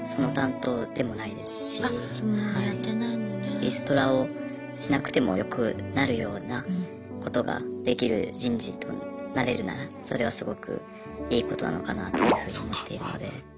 リストラをしなくてもよくなるようなことができる人事となれるならそれはすごくいいことなのかなというふうに思っているので。